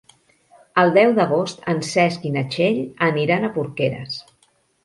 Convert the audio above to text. El deu d'agost en Cesc i na Txell aniran a Porqueres.